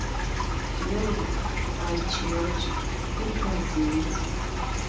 No, by George, it wasn't!